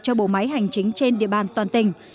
cho bộ máy hành chính trên địa bàn toàn tỉnh